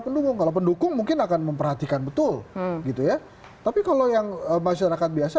pendukung kalau pendukung mungkin akan memperhatikan betul gitu ya tapi kalau yang masyarakat biasa